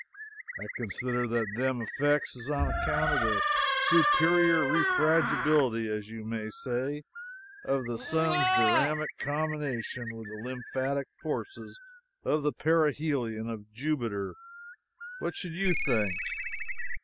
I consider that them effects is on account of the superior refragability, as you may say, of the sun's diramic combination with the lymphatic forces of the perihelion of Jubiter. What should you think?"